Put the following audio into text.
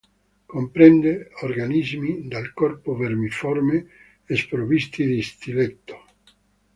Comprende organismi dal corpo vermiforme sprovvisti di stiletto.